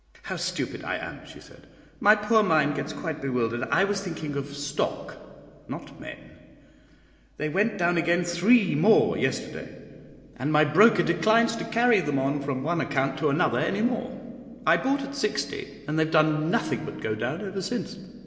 "How stupid I am!" she said; "my poor mind gets quite bewildered. I was thinking of stock, not men; they went down again three more yesterday, and my broker declines altogether to carry them on from one account to another any more. I bought at 60, and they have done nothing but go down ever since.